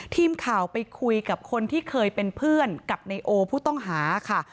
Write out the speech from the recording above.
ทีมข่าวไปคุยกับคนที่เคยเป็นเพื่อนกับนายโอผู้ต้องหาค่ะ